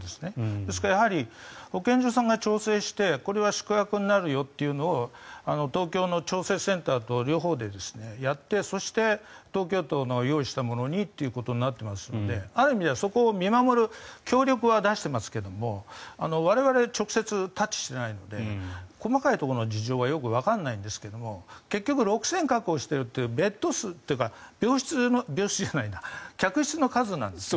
ですから、保健所さんが調整してこれは宿泊になるよというのを東京の調整センターと両方でやってそして、東京都の用意したものにということになっていますのである意味ではそこを見守る協力は出していますが我々、直接タッチしていないので細かいところの事情はよくわからないんですが結局６０００確保しているというベッド数というか客室の数なんですね。